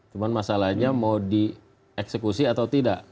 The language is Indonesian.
cuma masalahnya mau dieksekusi atau tidak